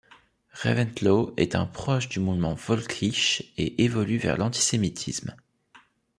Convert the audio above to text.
Reventlow est un proche du mouvement völkisch et évolue vers l'antisémitisme.